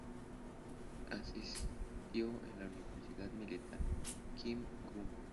Asistió a la Universidad Militar Kim Il-sung.